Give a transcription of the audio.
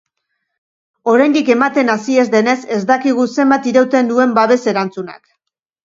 Oraindik ematen hasi ez denez, ez dakigu zenbat irauten duen babes-erantzunak.